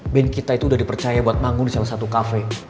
ban kita itu udah dipercaya buat bangun di salah satu cafe